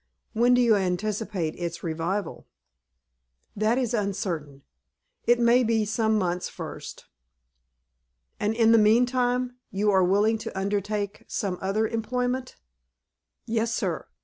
"When do you anticipate its revival?" "That is uncertain. It may be some months first." "And, in the mean time, you are willing to undertake some other employment?" "Yes, sir.